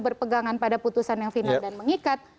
berpegangan pada putusan yang final dan mengikat